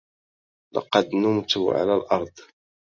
لقد نمتُ على الأرض.